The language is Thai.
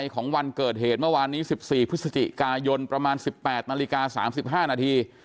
ของวันเกิดเหตุเมื่อวานนี้๑๔พฤศจิกายนประมาณ๑๘นาฬิกา๓๕นาที